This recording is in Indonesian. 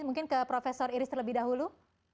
mungkin ke profesor iris terlebih dahulu